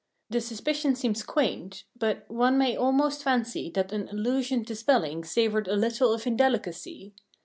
The suspicion seems quaint, but one may almost fancy that an allusion to spelling savoured a little of indelicacy.